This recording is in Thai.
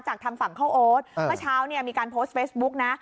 ทางฝั่งเข้าโอ๊ตเมื่อเช้าเนี่ยมีการโพสต์เฟซบุ๊กนะ